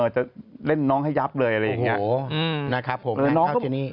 จะเล่นน้องให้ยับเลยอะไรอย่างนี้